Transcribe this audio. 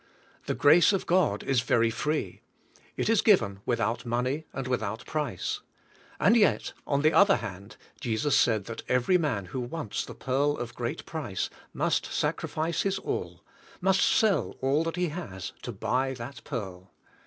The grace of God is very free. It is given without money and without price. And 3^et, on the other hand, Jesus said that every man who wants the pearl of great price must sac rifice his all, must sell all that he has to buy that pearl.